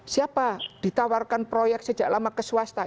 siapa ditawarkan proyek sejak lama ke swasta